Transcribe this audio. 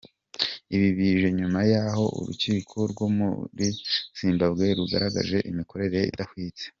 Ibi bije nyuma y’ aho urukiko rwo muri Zimbabwe rugaragaje imikorere idahwitse.